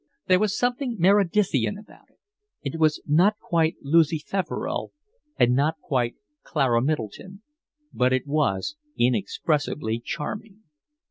There was something Meredithian about it: it was not quite Lucy Feverel and not quite Clara Middleton; but it was inexpressibly charming.